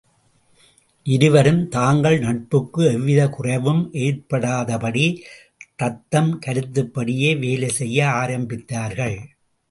இருவரும் தாங்கள் நட்புக்கு எவ்விதக் குறைவும ஏறபடாதபடி தத்தம் கருத்துப்படியே வேலைசெய்ய ஆரம்பித்தார்ர்கள்.